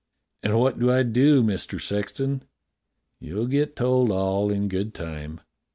"And what do I do. Mister Sexton.?" "You'll get told all in good time."